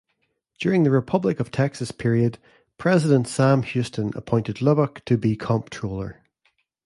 During the Republic of Texas period, President Sam Houston appointed Lubbock to be comptroller.